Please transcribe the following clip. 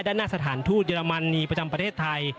ด้านหน้าสถานทูตเยอรมนีประจำประเทศไทย